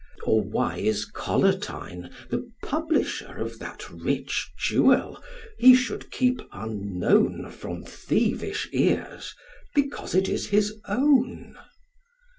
Or why is Collatine the publisher Of that rich jewel he should keep unknown From thievish ears, because it is his own?